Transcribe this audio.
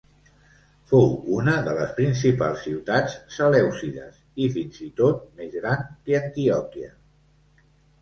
Fou una de les principals ciutats selèucides i fins i tot més gran que Antioquia.